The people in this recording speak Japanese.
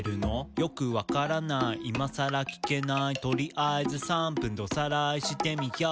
「よく分からない今さら聞けない」「とりあえず３分でおさらいしてみよう」